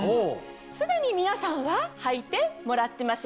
既に皆さんははいてもらってますよね。